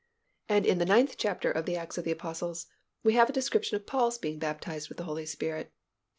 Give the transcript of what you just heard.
And in the ninth chapter of the Acts of the Apostles, we have a description of Paul's being baptized with the Holy Spirit.